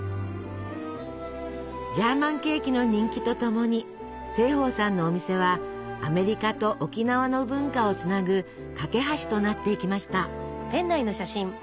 ジャーマンケーキの人気とともに盛保さんのお店はアメリカと沖縄の文化をつなぐ架け橋となっていきました。